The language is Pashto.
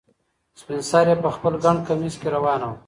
سپین سرې په خپل ګڼ کمیس کې روانه وه.